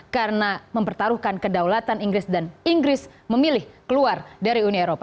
karena mempertaruhkan kedaulatan inggris dan inggris memilih keluar dari uni eropa